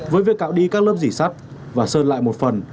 với việc cạo đi các lớp dỉ sắt và sơn lại một phần